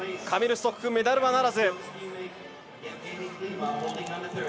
カミル・ストッフメダルはならず。